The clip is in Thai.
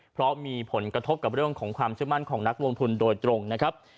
เพราะมีผลกระทบกับเรื่องของความเชื่อมั่นของนักลงทุนโดยตรงนะครับ